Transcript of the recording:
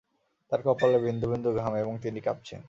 তাঁর কপালে বিন্দুবিন্দু ঘাম, এবং তিনি কাপছেন।